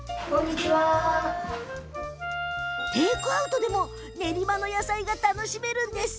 テイクアウトでも練馬の野菜が楽しめるんです。